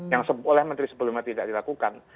yang oleh menteri sebelumnya tidak dilakukan